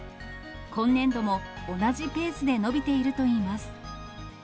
今年度も同じペースで伸びているといいます。